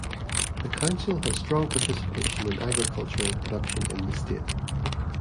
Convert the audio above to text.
The council has strong participation in agricultural production in the state.